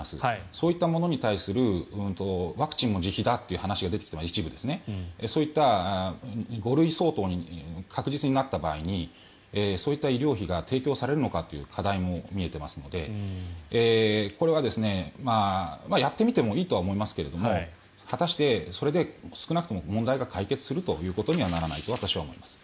そういったものに対するワクチンも自費だという話が一部出てきていますがそういった５類相当に確実になった場合にそういった医療費が提供されるのかという課題も見えていますのでこれはやってみてもいいとは思いますけれど果たして、それで少なくとも問題が解決するということにはならないと私は思います。